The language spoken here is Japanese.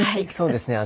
そうですね。